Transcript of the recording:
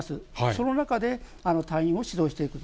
その中で隊員を指導していると。